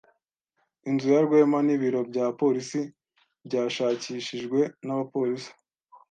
Inzu ya Rwema n'ibiro bya polisi byashakishijwe n'abapolisi.